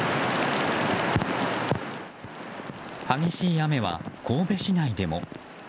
激しい雨は神戸市内でも。